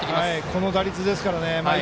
この打率ですからね。